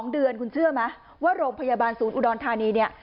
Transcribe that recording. ๒เดือนคุณเชื่อไหมว่าโรงพยาบาลศูนย์อุดรธานีเนี่ย